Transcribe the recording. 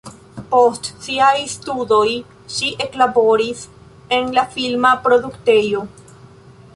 Post siaj studoj ŝi eklaboris en la filma produktejo.